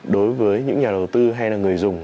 đối với những nhà đầu tư hay là người dùng